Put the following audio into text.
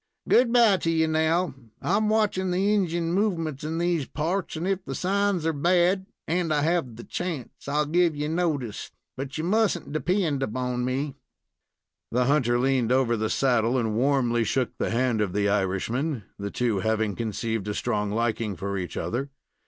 Good by to you, now; I'm watching the Injin movements in these parts, and, if the signs are bad, and I have the chance, I'll give you notice; but you must n't depend on me." The hunter leaned over the saddle, and warmly shook the hand of the Irishman, the two having conceived a strong liking for each other.